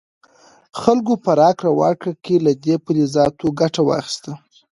خلکو په راکړه ورکړه کې له دې فلزاتو ګټه واخیسته.